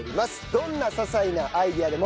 どんな些細なアイデアでも。